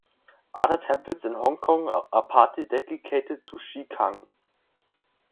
Other temples in Hong Kong are partly dedicated to Che Kung.